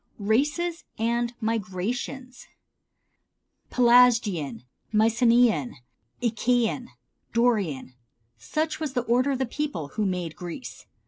Races and Migrations. Pelasgian, Mycenean, Achæan, Dorian, such was the order of the peoples who made Greece.